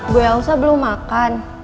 gue yang usah belum makan